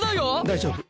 大丈夫。